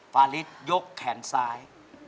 ฟาริสยกแขนซ้าย